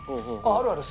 「あるある。